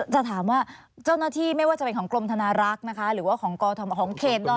จะถามว่าเจ้าหน้าที่ไม่ว่าจะเป็นของกรมธนารักษณ์นะคะหรือว่าของกรมธนารักษณ์ของเขตนอนนี้มาบ่อยไหมคะ